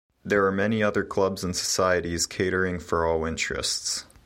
There are many other clubs and societies catering for all interests.